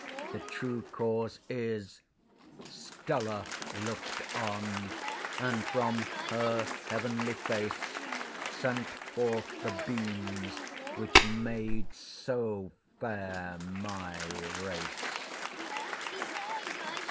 the true cause is, STELLA look'd on, and from her heavenly face Sent forth the beams which made so fair my race.